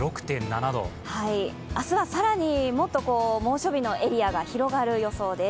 明日は更にもっと猛暑日のエリアが広がる予想です。